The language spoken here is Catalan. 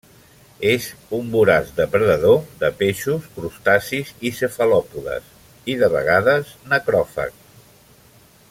És un voraç depredador de peixos, crustacis i cefalòpodes i, de vegades, necròfag.